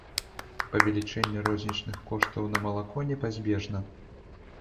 Павелічэнне рознічных коштаў на малако непазбежна.